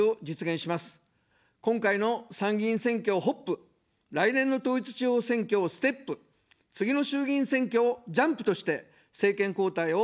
今回の参議院選挙をホップ、来年の統一地方選挙をステップ、次の衆議院選挙をジャンプとして、政権交代を実現します。